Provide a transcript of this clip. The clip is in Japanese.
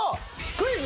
クイズ！